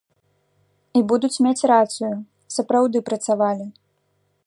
І будуць мець рацыю, сапраўды працавалі.